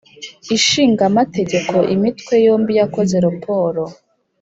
Ishinga Amategeko imitwe yombi yakoze raporo